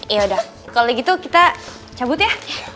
yaudah kalau gitu kita cabut ya